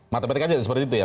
matematika aja seperti itu ya